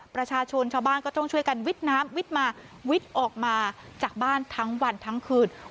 ประชาชนชาวบ้านก็ต้องช่วยกันวิทย์น้ำวิทย์มาวิทย์ออกมาจากบ้านทั้งวันทั้งคืน